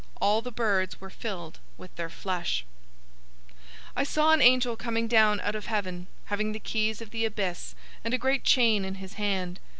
All the birds were filled with their flesh. 020:001 I saw an angel coming down out of heaven, having the key of the abyss and a great chain in his hand.